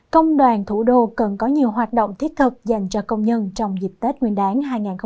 công đoàn thủ đô cần có nhiều hoạt động thiết thực dành cho công nhân trong dịp tết nguyên đáng hai nghìn hai mươi bốn